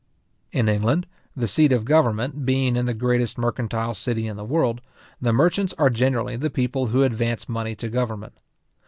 In England, the seat of government being in the greatest mercantile city in the world, the merchants are generally the people who advance money to government.